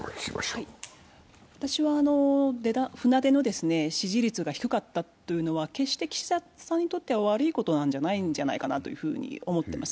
船出の支持率が低かったというのは決して岸田さんにとって悪いことじゃないんじゃないかなと思っています。